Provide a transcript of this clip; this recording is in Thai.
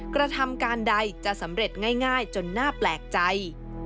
กระทำการใดจะสำเร็จง่ายจนน่าแปลกใจ